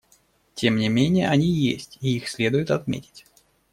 Тем не менее они есть, и их следует отметить.